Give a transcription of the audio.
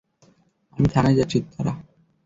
আমি থানায় যাচ্ছি, তারা।